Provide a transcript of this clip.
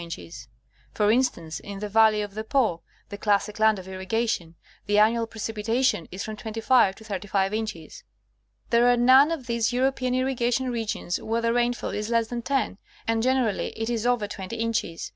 20 and 35 inches — for instance, in the valley of the Po, the classic land of irrigation, the annual precipitation is from 25 to 35 inches. There are none of these European irrigation regions where the rainfall is less than 10, and generally it is over 20 inches.